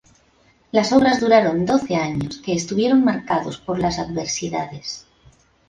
Las obras duraron doce años, que estuvieron marcados por las adversidades.